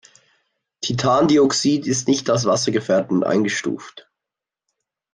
Titandioxid ist nicht als wassergefährdend eingestuft.